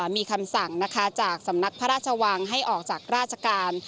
มีคำสั่งนะคะจากสำนักพระราชวังให้ออกจากราชการ